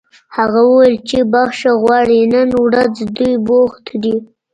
هغه وویل چې بښنه غواړي نن ورځ دوی بوخت دي